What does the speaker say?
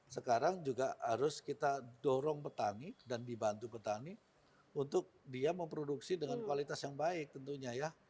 sekarang juga harus kita dorong petani dan dibantu petani untuk dia memproduksi dengan kualitas yang baik tentunya ya